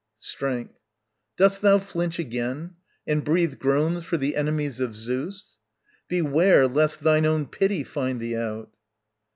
Strength. Dost thou flinch again And breathe groans for the enemies of Zeus? Beware lest thine own pity find thee out.